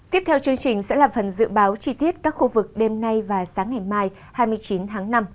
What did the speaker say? tiếp theo chương trình sẽ là phần dự báo chi tiết các khu vực đêm nay và sáng ngày mai hai mươi chín tháng năm